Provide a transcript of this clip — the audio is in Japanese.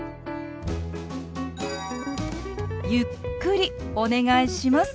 ゆっくりお願いします。